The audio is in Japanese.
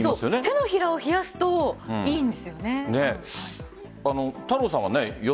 手のひらを冷やすといいんですよね。